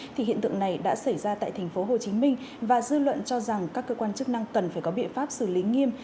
thì hiện tượng này đã xảy ra tại tp hcm và dư luận cho rằng các cơ quan chức năng cần phải có biện pháp xử lý nghiêm